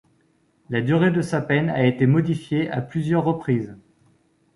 La durée de sa peine a été modifiée à plusieurs reprises.